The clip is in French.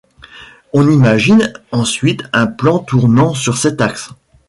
On imagine ensuite un plan tournant sur cet axe.